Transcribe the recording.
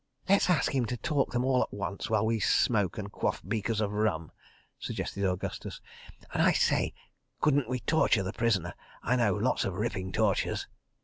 ..." "Let's ask him to talk them all at once, while we smoke and quaff beakers of rum," suggested Augustus. "And I say—couldn't we torture the prisoner? I know lots of ripping tortures."